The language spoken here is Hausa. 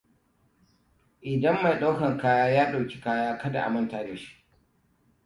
Idan mai dakon kaya ya ɗauki kaya, kar a manta da shi.